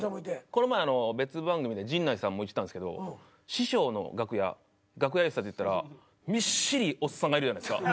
この前別番組で陣内さんも言ってたんですけど師匠の楽屋楽屋挨拶行ったらみっしりおっさんがいるじゃないですか。